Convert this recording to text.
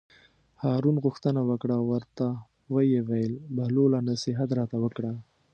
هارون غوښتنه وکړه او ورته ویې ویل: بهلوله نصیحت راته وکړه.